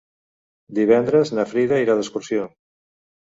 Divendres na Frida irà d'excursió.